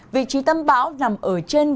vị trí tâm bão nằm ở trên vùng đất